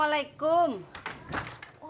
waalaikumsalam bu nur